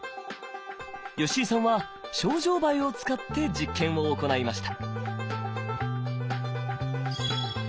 吉井さんはショウジョウバエを使って実験を行いました。